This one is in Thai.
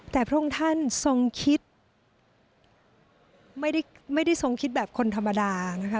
แต่พระองค์ท่านทรงคิดไม่ได้ทรงคิดแบบคนธรรมดานะคะ